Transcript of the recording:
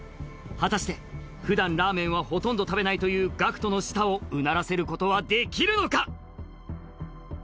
果たしてふだんラーメンはほとんど食べないというＧＡＣＫＴの舌をうならせることはできるのか？